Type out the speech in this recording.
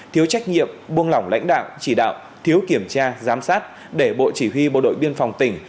thiếu trách nhiệm buông lỏng lãnh đạo chỉ đạo thiếu kiểm tra giám sát để bộ chỉ huy bộ đội biên phòng tỉnh